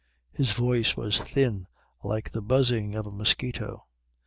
His voice was thin like the buzzing of a mosquito.